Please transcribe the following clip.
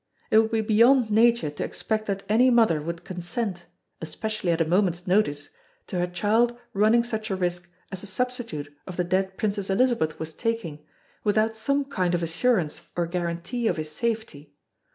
It would be beyond nature to expect that any mother would consent, especially at a moment's notice, to her child running such a risk as the substitute of the dead Princess Elizabeth was taking, without some kind of assurance or guarantee of his safety.